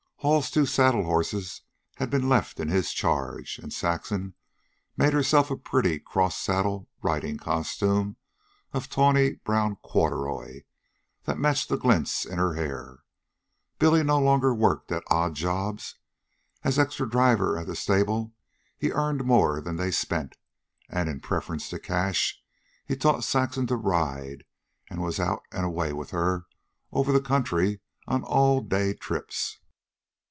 Hall's two saddle horses had been left in his charge, and Saxon made herself a pretty cross saddle riding costume of tawny brown corduroy that matched the glints in her hair. Billy no longer worked at odd jobs. As extra driver at the stable he earned more than they spent, and, in preference to cash, he taught Saxon to ride, and was out and away with her over the country on all day trips.